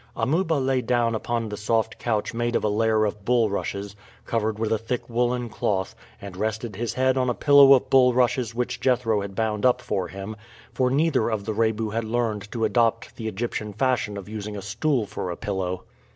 Amuba lay down upon the soft couch made of a layer of bulrushes, covered with a thick woollen cloth, and rested his head on a pillow of bulrushes which Jethro had bound up for him; for neither of the Rebu had learned to adopt the Egyptian fashion of using a stool for a pillow.